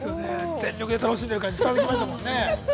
全力で楽しんでいる感じが伝わってきましたもんね。